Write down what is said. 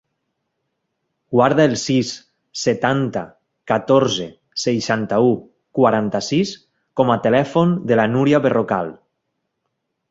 Guarda el sis, setanta, catorze, seixanta-u, quaranta-sis com a telèfon de la Núria Berrocal.